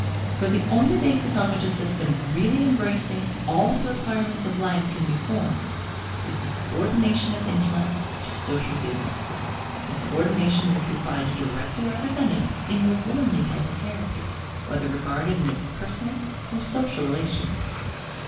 For the only basis on which a system really embracing all the requirements of life can be formed, is the subordination of intellect to social feeling: a subordination which we find directly represented in the womanly type of character, whether regarded in its personal or social relations.